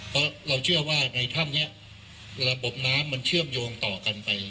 เพราะเราเชื่อว่าในถ้ำนี้ระบบน้ำมันเชื่อมโยงต่อกันไป